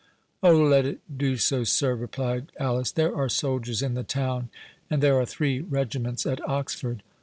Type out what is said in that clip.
"Oh, let it do so, sir," replied Alice; "there are soldiers in the town, and there are three regiments at Oxford!"